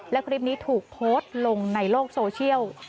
และคลิปนี้ถูกโพสต์ลงในโลกโซเชียล